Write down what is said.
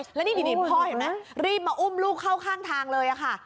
แล้วนี่พ่อเห็นไหมรีบมาอุ้มลูกเข้าข้างทางเลยค่ะ